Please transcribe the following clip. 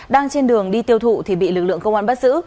đang trên đường đi tiêu thụ thì bị lực lượng công an bắt giữ